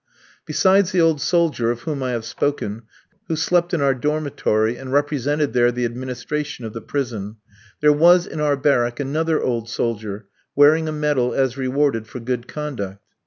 Besides the old soldier of whom I have spoken, who slept in our dormitory, and represented there the administration of the prison, there was in our barrack another old soldier wearing a medal as rewarded for good conduct.